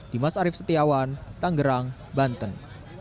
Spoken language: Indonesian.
dimas arief setiawan tanggerang banten